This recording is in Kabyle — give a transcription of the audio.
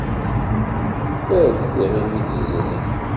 Err-d tiɣimit yezrin.